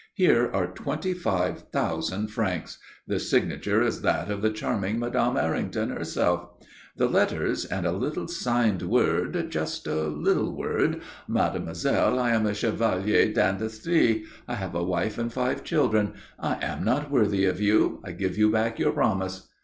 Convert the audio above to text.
"Here are twenty five thousand francs. The signature is that of the charming Madame Errington herself. The letters, and a little signed word, just a little word. 'Mademoiselle, I am a chevalier d'industrie. I have a wife and five children. I am not worthy of you. I give you back your promise.'